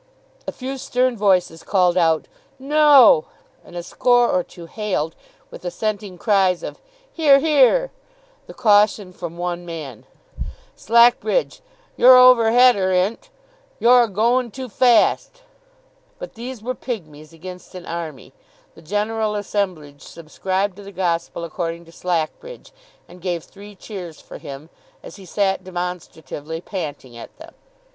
A few stern voices called out 'No!' and a score or two hailed, with assenting cries of 'Hear, hear!' the caution from one man, 'Slackbridge, y'or over hetter in't; y'or a goen too fast!' But these were pigmies against an army; the general assemblage subscribed to the gospel according to Slackbridge, and gave three cheers for him, as he sat demonstratively panting at them.